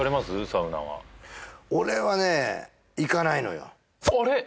サウナは俺はね行かないのよあれ？